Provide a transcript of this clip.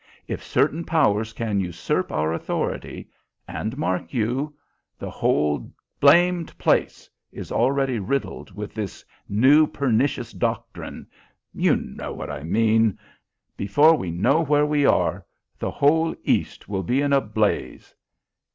If certain powers can usurp our authority and, mark you, the whole blamed place is already riddled with this new pernicious doctrine you know what I mean before we know where we are the whole East will be in a blaze.